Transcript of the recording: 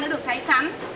đã được thái sắn